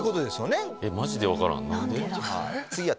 マジで分からん何で？